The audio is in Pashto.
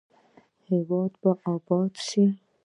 هیواد به اباد شي؟